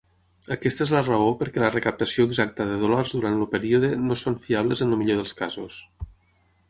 Aquesta és la raó perquè la recaptació exacta de dòlars durant el període no són fiables en el millor dels casos.